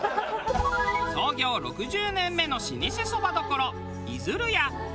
創業６０年目の老舗そば処いづるや。